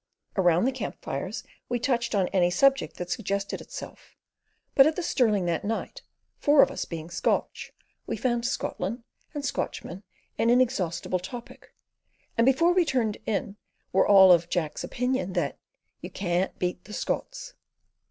Around the camp fires we touched on any subject that suggested itself, but at the Stirling that night, four of us being Scotch, we found Scotland and Scotchmen an inexhaustible topic, and before we turned in were all of Jack's opinion, that "you can't beat the Scots."